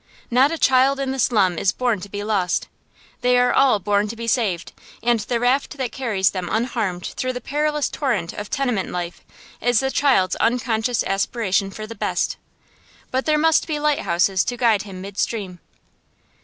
Not a child in the slums is born to be lost. They are all born to be saved, and the raft that carries them unharmed through the perilous torrent of tenement life is the child's unconscious aspiration for the best. But there must be lighthouses to guide him midstream.